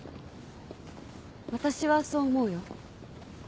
私はそう思うよ。